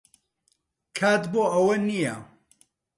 کات بۆ ئەوە نییە.